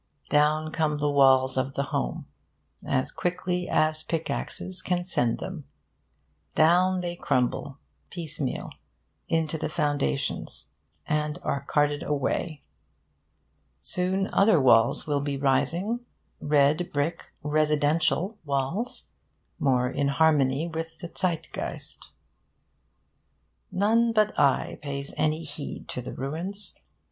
Down come the walls of the home, as quickly as pickaxes can send them. Down they crumble, piecemeal, into the foundations, and are carted away. Soon other walls will be rising red brick 'residential' walls, more in harmony with the Zeitgeist. None but I pays any heed to the ruins.